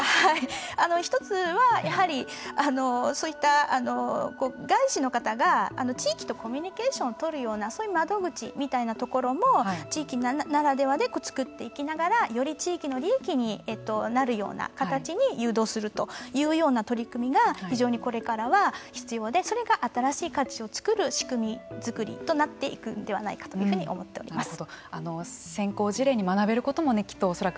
１つはやはりそういった外資の方が地域とコミュニケーションをとるようなそういう窓口みたいなものも地域ならでは作っていきながらより地域の利益になるような形に誘導するというような取り組みが非常にこれからは必要でそれが新しい価値を作る仕組みづくりとなっていくんではないかというふうに思っております。